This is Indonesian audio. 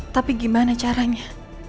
tapi gimana caranya